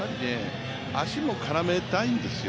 足も絡めたいんですよ